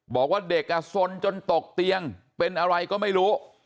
บอกว่าเด็กสนจนตกเตียงเป็นอะไรก็ไม่รู้